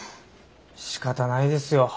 しかたないですよ。